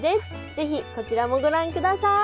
是非こちらもご覧ください。